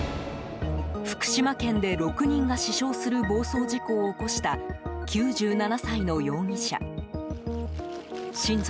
福島県で６人が死傷する暴走事故を起こした９７歳の容疑者。